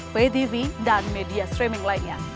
btv dan media streaming lainnya